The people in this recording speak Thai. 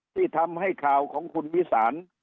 ที่ทำให้ข่าวของคุณวิสาน